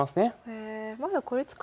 へえ。